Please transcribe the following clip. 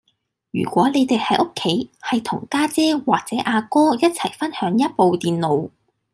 如果你哋喺屋企係同家姐或者阿哥一齊分享一部電腦